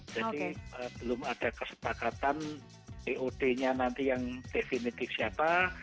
jadi belum ada kesepakatan pod nya nanti yang definitif siapa